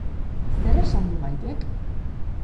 Zer esan du Maitek?